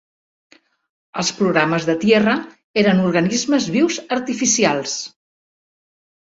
Els programes de Tierra eren organismes vius artificials.